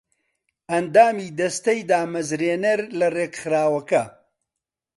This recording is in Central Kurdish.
ئەندامی دەستەی دامەزرێنەر لە ڕێکخراوەکە